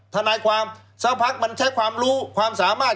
ทนายความสักพักมันใช้ความรู้ความสามารถ